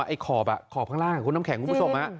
ไอ้ขอบขอบข้างล่างคุณน้ำแข็งคุณผู้ชม